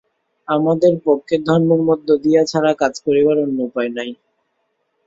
আমাদের পক্ষে ধর্মের মধ্য দিয়া ছাড়া কাজ করিবার অন্য উপায় নাই।